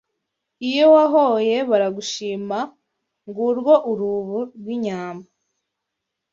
Iyo wahoye baragushima ngurwo urubu rw’inyambo